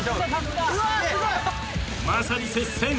まさに接戦。